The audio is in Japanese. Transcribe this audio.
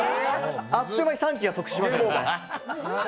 あっという間に３機が即死します。